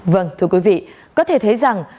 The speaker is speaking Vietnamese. vâng thưa quý vị có thể thấy rằng